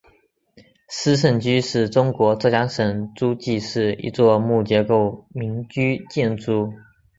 斯盛居是中国浙江省诸暨市一座木结构民居建筑。